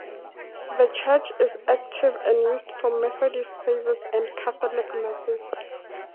The church is active and used for Methodist services and Catholic masses.